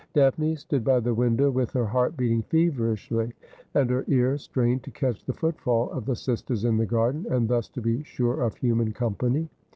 Daphne stood by the window with her heart beating feverishly, and her ear strained to catch the footfall of the sisters in the garden, and thus to be sure of human company.